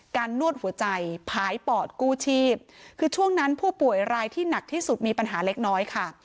นวดหัวใจผายปอดกู้ชีพคือช่วงนั้นผู้ป่วยรายที่หนักที่สุดมีปัญหาเล็กน้อยค่ะ